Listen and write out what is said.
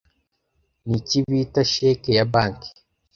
Niki bita 'cheque ya banki'